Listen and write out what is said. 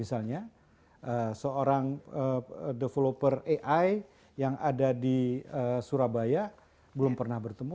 misalnya seorang developer ai yang ada di surabaya belum pernah bertemu